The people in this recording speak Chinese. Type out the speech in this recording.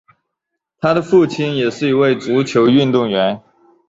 他的父亲也是一位足球运动员。